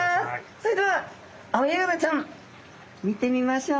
それではアオヤガラちゃん見てみましょう。